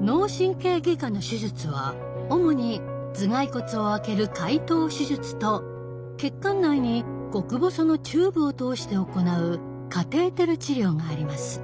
脳神経外科の手術は主に頭蓋骨を開ける開頭手術と血管内に極細のチューブを通して行うカテーテル治療があります。